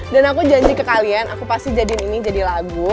dan aku janji ke kalian aku pasti jadiin ini jadi lagu